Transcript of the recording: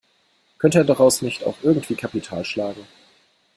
Könnte er daraus nicht auch irgendwie Kapital schlagen?